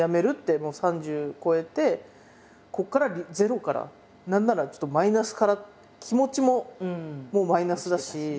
もう３０超えてここからゼロから何ならちょっとマイナスからって気持ちももうマイナスだし。